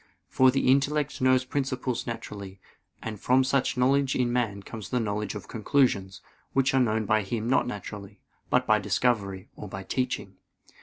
For the intellect knows principles naturally; and from such knowledge in man comes the knowledge of conclusions, which are known by him not naturally, but by discovery, or by teaching.